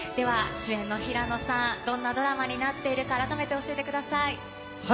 主演の平野さん、どんなドラマになっているか教えてください。